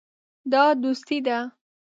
دا دوستي ده.